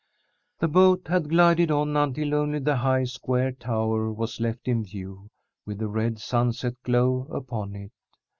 The boat had glided on until only the high, square tower was left in view, with the red sunset glow upon it.